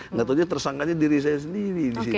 nggak terlalu tersangkanya diri saya sendiri